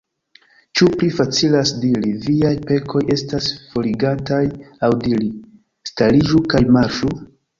Ĉu pli facilas diri: Viaj pekoj estas forigataj; aŭ diri: Stariĝu kaj marŝu?